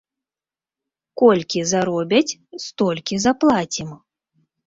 Колькі заробяць, столькі заплацім.